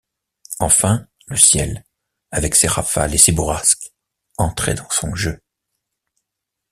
Enfin, le ciel, avec ses rafales et ses bourrasques, entrait dans son jeu.